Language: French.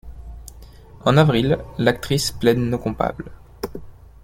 En avril, l'actrice plaide non-coupable.